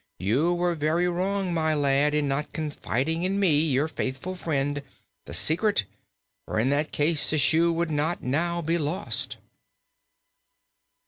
You were very wrong, my lad, in not confiding to me, your faithful friend, the secret, for in that case the shoe would not now be lost."